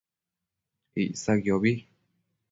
Icsaquiobi